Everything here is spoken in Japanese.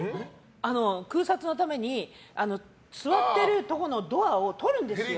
空撮のために、座ってるところのドアをとるんですよ